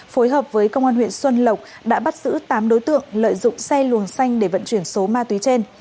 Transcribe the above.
phối hợp với công an huyện xuân lộc đã bắt giữ tám đối tượng lợi dụng xe luồng xanh để vận chuyển số ma túy trên